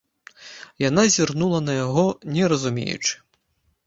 Яна зірнула на яго, не разумеючы.